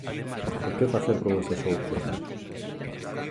E que facer con eses outros?